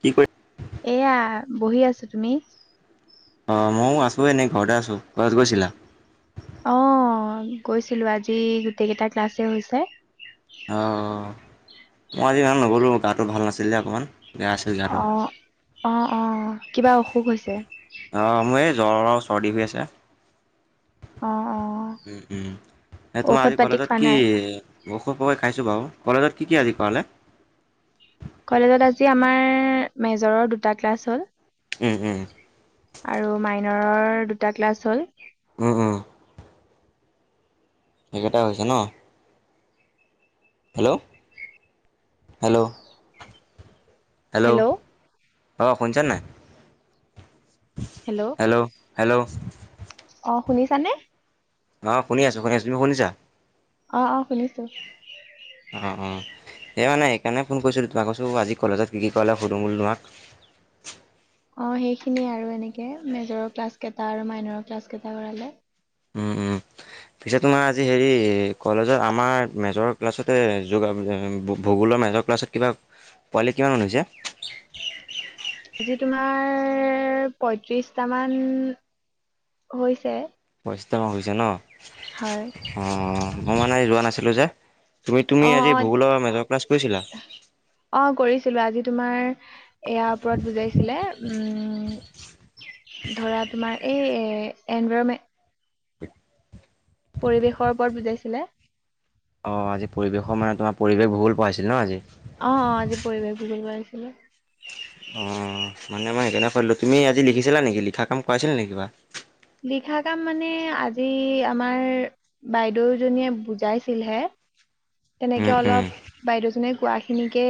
কি [unintelligible] এয়া বহি আছোঁ, তুমি? অ', মইয়ো আছোঁ এনে ঘৰতে আছোঁ, কলেজ গৈছিলা? অ', গৈছিলোঁ আজি গোটেই কেইটা ক্লাছে হৈছে। অঁ মই আজি ইমান নগ'লোঁ গাটো ভাল আছিল নে অকণমান? বেয়া আছিল গাটো অ', অ, অ, কিবা অসুখ হৈছে। অ', মোৰ এই জ্বৰ আৰু চৰ্দি হৈ আছে। অ', অ উম, উম, এ তোমাৰ ঔষধ আজি পাতি কলেজত খোৱা কি, নাই ঔষধ [unintelligible] [unintelligible] বাৰু, কলেজত কি কি আজি কৰালে? কলেজত আজি আমাৰ, মেজৰৰ দুটা ক্লাছ হ'ল। উম, উম, [unintelligible] দুটা ক্লাছ হ'ল। উম, উম, সেইকেইটা হৈছে ন? হেল্ল' হেল্ল' হেল্ল' অ শুনচা নে নাই? হেল্ল' হেল্ল' অ শুনিছানে? অ শুনি আছো, শুনি আছো, তুমি শুনিছা? অ অ শুনিছো। অ অ এই মানে এনে ফোন কৰিছিলোঁ তোমাক। কৈছোঁ আজি কলেজত কি কি কলে সুধু বোলো তোমাক অঁ সেইখিনিয়ে আৰু এনেকৈ মেজৰৰ ক্লাছকেইটা আৰু মাইনৰ ক্লাছকেইটা কৰালে। উম, উম। পিছে তোমাৰ আজি হেৰি, কলেজত আমাৰ মেজৰ ক্লাছতে য ভূগোল মাজৰ ক্লাছত কিবা পোৱালি কিমান মান হৈছে? [unintelligible] আজি তোমাৰ পয়ত্ৰিশটামান হৈছে। পয়ত্ৰিশ হৈছে ন। হয় অঁ, মই মানে যোৱা নাছিলোঁ যে তুমি তুমি অ। আজি অ। ভূগোলৰ মেজৰ ক্লাছ কৰিছিলা অ, কৰিছিলো আজি তোমাৰ এয়াৰ ওপৰত বুজাইছিলে উম ধৰা তোমাৰ এই এনভৰমেট পৰিৱেশৰ ওপৰত বুজাইছিলে। অ আজি পৰিৱেশৰ মানে তোমাৰ পৰিৱেশ ভূগোল পঢ়াইচিলে ন আজি। কি [unintelligible] অঁ মানে মই সেইকাৰণে কৰিলোঁ। তুমি আজি লিখিছিলা নেকি? লিখা কাম কৰাইছিল নেকি কিবা? লিখা কাম মানে আজি আমাৰ বাইদেউজনীয়ে বুজাইছিলহে উম তেনেকে উম অলপ বাইদেউ জনে কোৱা খিনিকে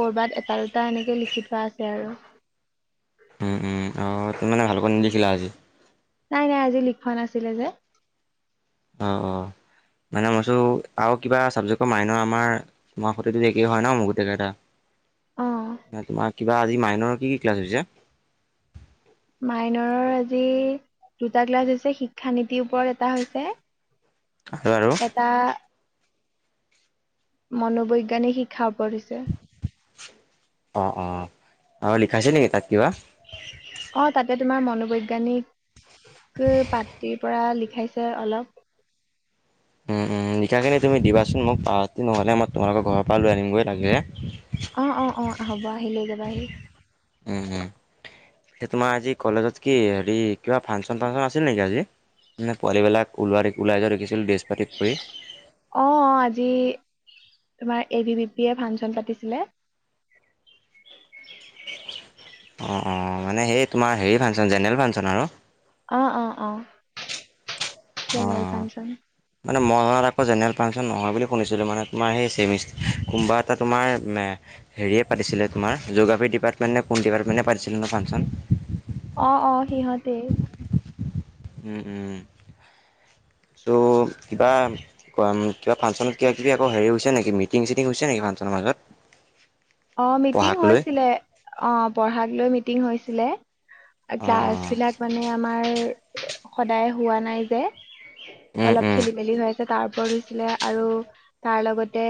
কৰবাত এটা-দুটা এনেকে লিখি থোৱা আছে আৰু। উম উম অ তুমি মানে ভালকৈ নিদেখিলা আজি। নাই নাই আজি লিখোৱা নাছিলে যে অঁ অঁ মানে মইছোঁ আৰু কিবা চাবজেক্টৰ মাইনৰ আমাৰ মাৰ সটো একেই হয় ন মোৰ গোটেই কেই অ এটা তোমাৰ কিবা আজি মাইনৰ কি কি ক্লাছ হৈছে? মাইনৰৰ আজি দুটা ক্লাছ হৈছে। শিক্ষা নীতিৰ ওপৰত এটা হৈছে আৰু, আৰু, এটা মনোবৈজ্ঞানিক শিক্ষা ওপৰত হৈছে অ, অ, আৰু লিখাইছে নেকি তাত? কিবা? অ, তাতে তোমাৰ মনোবৈজ্ঞানিক পাঠতিৰ পৰা লিখ খাইছে অলপ উম, উম, লিখাখিনি তুমি দিবাচোন মোক, অ নহ'লে মই তোমালোকৰ ঘৰৰ পৰা লৈ আনিমগৈ লাগিলে। অ অ অ হ'ব, আহি লৈ যাবা আহি। উম, উম, তোমাৰ আজি কলেজত কি হেৰি কিবা ফাংচন ফাংচন আছিল নেকি আজি? মানে পোৱালিবিলাক ওলাই ওলাই যোৱা দেখিছিল ড্ৰেছ পাতি কৰি। অ অ আজি তোমাৰ এ ভি বি পি য়ে ফাংচন পাতিছিলে। অ, অ, মানে সেই তোমাৰ হেৰি ফাংচন জেনেৰেল ফাংচন আৰু অ, অ, অ, জেনেৰেল অ'। ফচোন। মানে মইত আকৌ জেনেৰেল ফাংচন নহয় বুলি শুনিছিলোঁ, মানে তোমাৰ সেই চেমিষ্টাৰ কোনোবা এটা তোমাৰ হেৰীয়ে পাতিছিলে তোমাৰ, জীয়গ্ৰফি ডিপাৰ্টমেণ্ট নে কোন ডিাৰ্টমেণ্টে পাতিছিল ন ফাংচন অ, অ, সিহঁতে। উম, উম, ত' কিবা ক কিবা ফাংচনত কিবা কিবি আকৌ হেৰি হৈছে নেকি মি চিটিং চিটিং হৈছে নেকি? ফাংচনৰ মাজত অ, মিটিং পঢ়াক লৈ হৈছিলে অ পঢ়াগ লৈ মিটিং হৈছিলে। অঁ ক্লাছ অঁ বিলাক মানে আমাৰ সদায় হোৱা নাই যে উম অলপ উম খেলি মেলি হৈ আছে তাৰ হৈছিলে আৰু তাৰ লগতে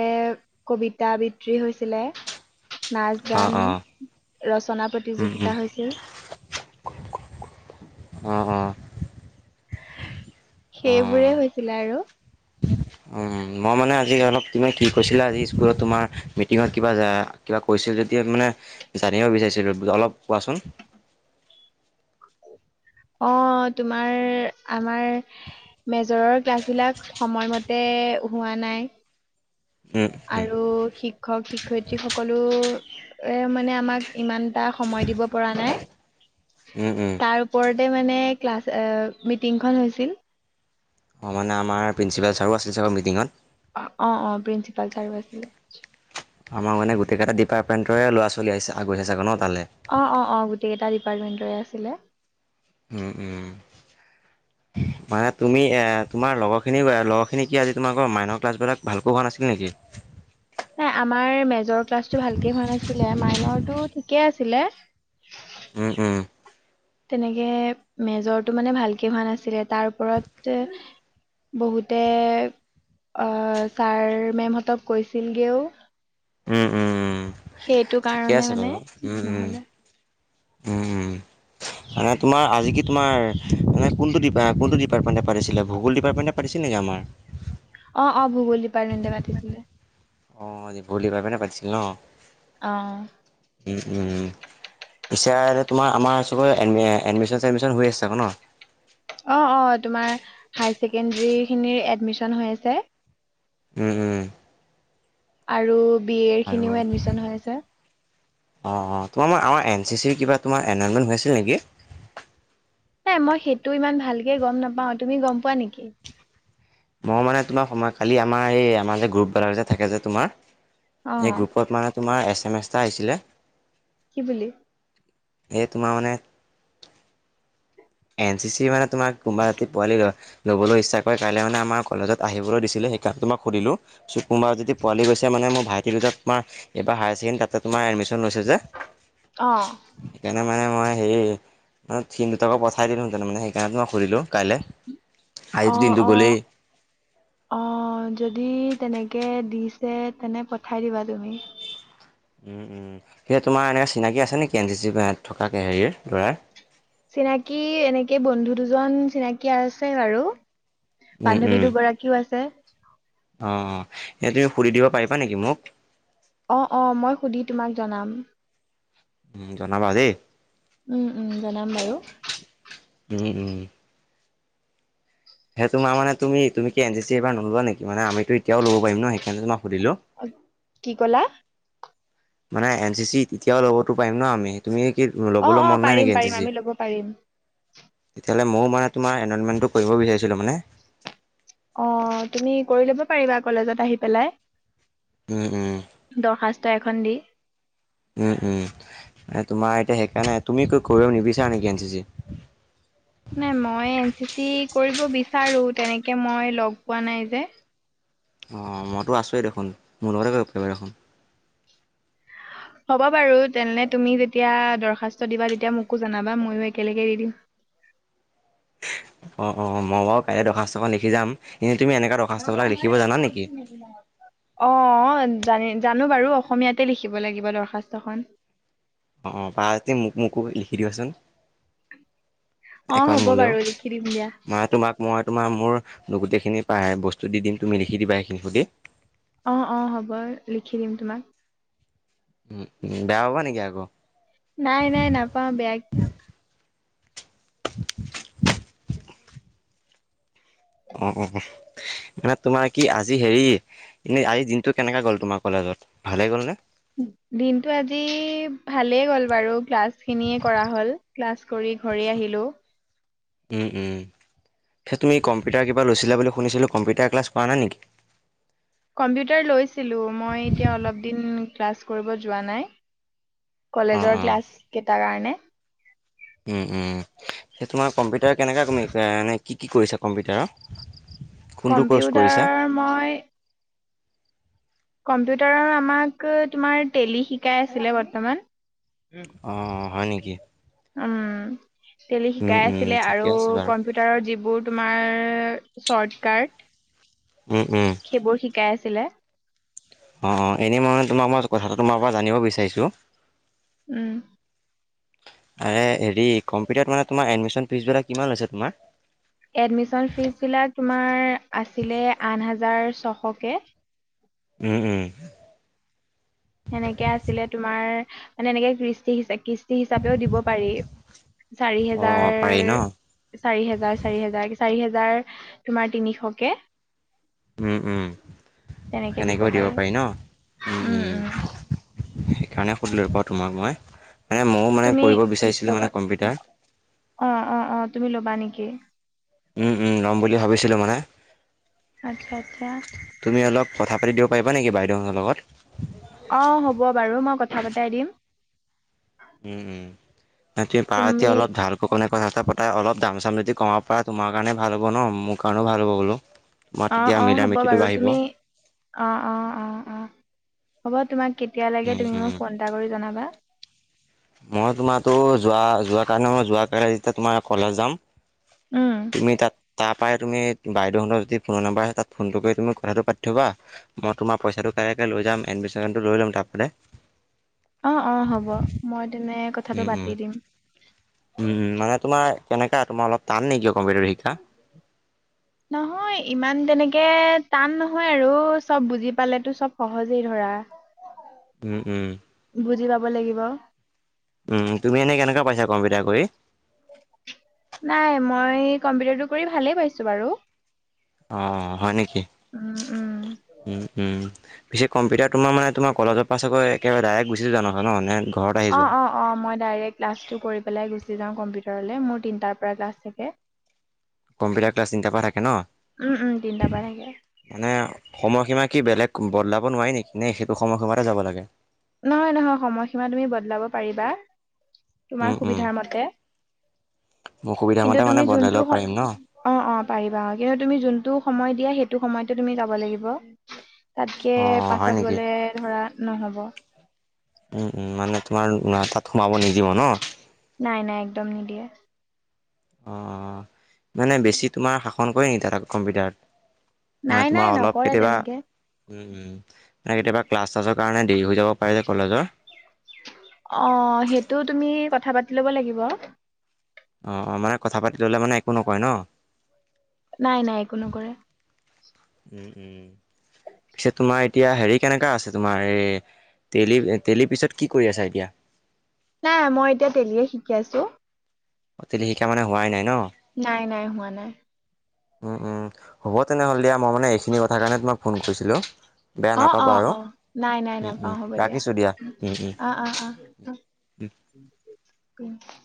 কবিতা আবৃত্তি হৈছিলে নাচ অঁ গান অঁ ৰচনা উম উম প্ৰতিযোগিতা হৈছিল। অ, অ, সেইবোৰে হৈছিলে আৰু। উ, মই মানে আজি অলপ তমি কি কৈছিলা আজি স্কুলত তোমাৰ মিটিঙত কিবা কিবা কৈছিল য এতিয়া মানে জানিব বিচাৰিছিলোঁ অলপ কোৱাচোন? [inaudible] অ, তোমাৰ আমাৰ মেজৰৰ ক্লাছ বিলাক সময়মতে হোৱা নাই। উম উম আৰু শিক্ষক শিক্ষয়িত্ৰী সকলো এ মানে আমাক ইমান এটা সময় দিব পৰা নাই উম উম তাৰ ওপৰত মানে ক্লাছ মিটিংখন হৈছিল। অঁ, মানে আমাৰ প্ৰিন্সিপাল ছাৰো আছিলে চাৰৰ মিটিঙত অ, অ, প্ৰিন্সিপাল ছাৰো আছিলে। আমাৰ মানে গোটেইটা ডিপাৰ্টেণ্টৰে ল'ৰা ছোৱালী আগ়িছে ছাগানত অ, অ, অ, গোটেইকেইটা ডিপাৰ্টমেণ্টৰে আছিলে। উম, উম, [inaudible] মানে তুমি এ তোমাৰ লগৰ খিনি লগৰ খিনি কি আজি তোমাকৰ মাইনৰ ক্লাছ বিলাক ভালকৈ হোৱা নাছিল নেকি? [inaudible] নাই আমাৰ মেজৰ ক্লাছটো ভালকে হোৱা নাছিলে মাইনৰটো ঠিকে আছিলে। উম, উম, তেনেকে মেজৰটো মানে ভালকে হোৱা নাছিলে তাৰ ওপৰত বহুতে ছাৰ মেমহঁতক কৈছিলগৈও উম, উম, উম, সেইটো ঠিকে কাৰণে আছে মানে বাৰু উম উম নহলে উম মানে তোমাৰ আজি কি তোমাৰ মানে কোনটো ডিাৰ কোনটো ডিপাৰ্টমণ্ট পাতিছিল ভগল ডিপাৰটেণ্টে পাতিছিল নেকি আমাৰ অ অ ভূগোল ডিপাৰ্টমেণ্টে পাতিছিলে। অ ভূগোল ডিপাৰ্টমেণ্টে পাতিছিলে ন। অ। উম উম উম পিছে তোমাৰ আমাৰ চবডম এডমিশ্যন চেডমিশ্যন হৈ আছে আক ন অ অ তোমাৰ হাইছেকেণ্ডি খিনি এডমিছন হৈ আছে। উম উম আৰু বি এৰ আৰু খিনিও এডমিশন হৈ আছে। অ অ তোমাৰ আমাৰ এন চি চিৰ কিবা তোমাৰ এনৰলমেন হৈ আছিল নেকি? এ মই সেইটো ইমান ভালকে গম নাপাও। তুমি গম পোৱা নেকি? মই মানে তোমাৰ সময় কালি আমাৰ এই আমাৰ যে গ্ৰুপবেলাক যে থাকে যে তোমাৰ অ এই গ্ৰুপত মানে তোমাৰ এছ এম এছ এটা আহিছিলে কি বুলি? সে তোমাৰ মানে এন চি চি মানে তোমাৰ কোনোবা ৰাতি পোৱালি লবলৈ ইচ্ছা কৰে কাইলৈ মানে আমাৰ কলেজত আহিবলৈ দিছিলে সেইকাৰনে তোমাক সুধিলো চ কোনোবা যদি পোৱালি গৈছে মানে মোৰ ভাইটিদুটা তোমাৰ এইবাৰ হায়াৰ ছেকেণ্ডেৰী তাতে তোমাৰ এডমিশ্যন লৈছে যে অ সেইকাৰণে মানে মই সেই ম সি দুতাকো পঠাই দিলোহেঁতেন মানে সেইকাৰণেতো মই সুধিলোঁ কাইলে অ আজীটো দিনটো অ গ'লেই। [inaudible] অ যদি তেনেকে দিছে তেনে পঠাই দিবা তুমি। উম উম সেইয়া তোমাৰ এনেকে চিনাকি আছে নেকি এন চি চি থকা হেৰিৰ ল'ৰাৰ। চিনাকি এনেকে বন্ধু দুজন চিনাকী আছে বাৰু উম, বান্ধৱী উম। দুগৰাকীও আছে। অ এ তুমি সুধি দিব পাৰিবা নেকি মোক? অ অ মই সুধি তোমাক জনাম। উম জনাবা দেই। উম উম জনাম বাৰু। উম উম। হে তোমাৰ মানে তুমি এন চি চি এ নোলোৱা নেকি মানে আমি এতিয়াও লব পাৰিম ন সেইকাৰণে তোৰ কি কলা? মানে এন চি চি তেতিয়াও ল'বতো পাৰিম ন আমি তুমি কি ও অ লবলৈ অ মন নাই পাৰিম নেকি এন চি পাৰিম চি? আমি ল'ব পাৰিম তেতিয়াহলে মও মই তোমাৰ এনৰলমেনটো কৰিব বিছাৰিছিলো মানে। অঁ তুমি কৰি ল'ব পাৰিবা কলেজত আহি পেলাই। উম, উম। দৰখাস্ত এখন দি। উম উম। তোমাৰ এতিয়া সেকাৰণে তুমি কি কৰিব নিবিচাৰা নেকি এন চি চি? নাই মই এন চি চি কৰিব বিচাৰো, তেনেকে মই লগ পোৱা নাই যে। অঁ মইতো আছোৱেই দেখোন মোৰ লগতে কৰিব পাইবা দেখোন। হ'ব বাৰু, তেনহলে তুমি যেতিয়া দৰ্খাস্ত দিবা তেতিয়া মোকো জনাবা ময়ো একেলগে দি দিম। [inaudible] অঁ অঁ মই বাৰু কাইলে দৰ্খাস্তখন লিখি যাম। এ [unintelligible] অঁ জানি জানো বাৰু অসমীয়াতে লিখিব লাগিব দৰখাস্তখন। অঁ অঁ পাৰা যদি মোক মোকো লিখি দিবাচোন। অ', এখন হ'ব মোলেও বাৰু লিখি দিম দিয়া। মানে তোমাক মই তোমাৰ মোৰ গোটেইখি খিনি পাই বস্তু দিম তুমি লিখি দিবা সখিনি সুধি অঁ অঁ হ'ব লিখি দিম তোমাক। উ উ বেয়া হবা নেকি আকৌ? নাই নাই নাপাওঁ বেয়া কি [unintelligible] অঁ অঁ মানে তোমাৰ কি আজি হেৰি এনেই আজি দিনটো কেনেকাে গ'ল তোমাৰ কলেজ জত ভালেই গ'লনে? দিনটো আজি ভালেই গ'ল বাৰু ক্লাছ খিনিয়ে কৰা হ'ল ক্লাছ কৰি [unintelligible] ঘূৰি আহিলোঁ। উম, উম, পিছে তুমি কম্পিউটাৰ কিবা লৈছিলা বুলি শুনিছিলোঁ কম্পিউটাৰ ক্লাছ কৰা নাই নেকি? কম্পিউটাৰ লৈছিলোঁ মই এতিয়া অলপ দিন ক্লাছ কৰিব যোৱা নাই। অ কলেজৰ অ ক্লাছ কেইটাৰ কাৰণে। উম, উম, তে' তোমাৰ কম্পিউটাৰ কেনেকা চলি আছে, কি কি কৰিছা কম্পিউটাৰৰ? কোনটো ক'ৰ্চ কম্পিউটাৰ কৰিছা মই কম্পিউটাৰৰ আমাক, তোমাৰ টেলী শিকাই আছিলে বৰ্তমান। অ', হয় নেকি? টেলী উম, শিকাই উম, আছিলে আৰু, ঠিকে আছে বাৰু। কম্পিউটাৰৰ যিবোৰ তোমাৰ শ্বৰ্টকাট। উম, উম, সেইবোৰ শিকাই আছিলে। অ', এনে মইে তোমাক মই কথাটো তোমাৰ পৰা জানিব বিচাৰিছোঁ। উম, এ হেৰি কম্পিউটাৰত মানে তোমাৰ এডমিশ্যন ফীজবিলাক কিমান হৈছে তোমাৰ? এডমিশ্যন ফীজবিলাক তোমাৰ আছিলে আঠ হাজাৰ ছশকে। উম', উম'। সেনেকে আছিলে তোমাৰ মানে এনেকে কৃষ্টি হিচ কৃষ্টি হিচাপেও দিব পাৰি। চাৰি অ', হেজাৰ, অ', পাৰি ন? চাৰি হেজাৰ, চাৰি হেজাৰ, চাৰি হেজা হাজাৰ তোমাৰ তিনিশকে। উম', উম' সেনেকৈও দিব পাৰি ন। উম, উম'। সেইকাৰণে সুধিলো পা তোমাক মই, মানে ময়ো মানে কৰিব বিচাৰিছিলো মানে কম্পিউটাৰ। অহ', অহ', অহ' তুমি ল'বা নেকি? উম', উম' ল'ম বুলি ভাবিছিলো মানে। আচ্ছা আচ্ছা তুমি অলপ কথা পাতি দিব পাৰিবা নেকি বাইদেউহঁতৰ লগত। অহ' হ'ব বাৰু, মই কথা পতাই দিম। উম', উম' নাই তুমি পাৰ এতিয়া অলপ ঢাল ককনে কা তাই অলপ দাম চাম যদি কমাব পৰা তোমাৰ কাৰণে ভাল হ'ব ন, মোৰ কাৰণেও ভাল হ'ব বোলো। তোমাৰ অহ', তেতিয়া অহ' মিলা হ'ব মিতিটো বাৰু বাঢ়িব তুমি। অহ', অহ', অহ', অহ' হ'ব তোমাক। কেতিয়া লাগে উম তুমি উম মোক ফোন এটা কৰি জনাবা। মই তোমাৰো যোৱা, যোৱা কাৰণে মই যোৱা কালিতে তোমাৰ কলেজ যাম। উম, তুমি তাত তাৰপাই তুমি বাইদেউহঁতৰ যদি ফোনৰ নম্বৰ আছে তাত ফোনটো কৰি তুমি কথাটো পাতি থ'বা, মই তোমাৰ পইচাটো কাইাৰেকৈ লৈ যাম এন বিচাৰনটো লৈ ল'ম তাৰপাতে। অহ', অহ' হ'ব মই তেনে কথাটো উম', পাতি উম'। দিম। উম', উম' মানে তোমাৰ। কেনেকা তোমাৰ অলপ টান নেকি, কম্পিউটাৰটো শিকা। নহয় ইমান তেনেকে টান নহয় আৰু চব বুজি পালেতো চব সহজেই ধৰা। [unintelligible] উম', উম'। বুজি পাব লাগিব। উম' তুমি এনেই কেনেকুৱা পাইছা কম্পিটাৰ কৰি। নাই মই কম্পিউটাৰটো কৰি ভালেই পাইছো বাৰু। অহ' হয় নেকি? উম, উম, উম', উম' পিছে কম্পিউটাৰ তোমাৰ মানে তোমৰ কলেজৰ পাছৈ একেবাৰে ডাইৰেক্ট গুচি যোৱা নহয় ন, নে ঘৰত আহি যোৱা অহ', অহ', অহ' মই ডাইৰেক্ট ক্লাছটো কৰি পেলাই গুচি যাওঁ। কম্পিউটাৰলৈ মোৰ তিনিটাৰ পৰা ক্লাছ থাকে। কম্পিউটাৰ ক্লাছ তিন তাৰ পৰা থাকে ন, উম, উম, তিনটাৰ পৰা থাকে। মানে সময়সীমা কি বেলেগ বদলাব নোৱাৰি নেকি, নে সেইটো সময় সময়তে যাব লাগে। নহয়, নহয় সময়সীমা তুমি বদলাব পাৰিবা। উম, তোমাৰ উম, সুবিধাৰ মতে। মোৰ সুবিধা কিন্তু মতে মানে তুমি বদলাই যোনটো, ল'ব অহ, পাৰিম ন? অহ, পাৰিবা কিন্তু তুমি যোনটো সময় দিয়া সেই এইটো সময়ত তুমি যাব লাগিব। তাতকে অ', অ', হয় পাছত নেকি? গ'লে ধৰা নহ'ব। উম', উম' মানে তোমাৰ তাত সোমাব নিদিব ন। নাই নাই একদম নিদিয়ে। অহ' মানে বেছি তোমাৰ শাসন কৰে নেকি তাত, কম্পিউটাৰত। মানে নাই তোমাৰ নাই অলপ নকৰে কেতিয়াবা তেনেকে উম, উম, মানে কেতিয়াবা ক্লাছ চাছৰ কাৰণে দেৰি হৈ যাব। পাৰে যে কলেজৰ। অহ' সেইটো তুমি কথা পাতি ল'ব লাগিব। অহ', অহ' মানে কথা পাতি ল'লে মানে একো নকয় ন। নাই নাই একো নকৰে। উম', উম' পিছেত তোমাৰ এতিয়া হেৰি কেনেকা আছে তোমাৰ এই তেলি, তেলি পিছত কি কৰি আছা এতিয়া। নাই মই এতিয়া তেলিয়ে শিকি আছো। অহ' তেলি শিকা মানে হোৱাই নাই ন। নাই, নাই, হোৱা নাই। উম, উম। হ'ব তেনেহ'লে দিয়া। মই মানে এইখিনি কথা কাৰণে তোমাক ফোন কৰিছিলোঁ। বেয়া অ', নাপাবা অ', আৰু অ', নাই নাই উম নাপাওঁ। উম হ'ব দিয়া। ৰাখিছোঁ উম উম অ', অ', অ'। [inaudible]